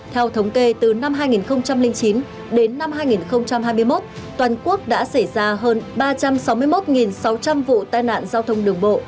theo thống kê từ năm hai nghìn chín đến năm hai nghìn hai mươi một toàn quốc đã xảy ra hơn ba trăm sáu mươi một sáu trăm linh vụ tai nạn giao thông đường bộ